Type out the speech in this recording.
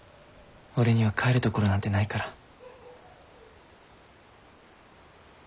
俺には帰るところなんてないから。